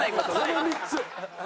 この３つ。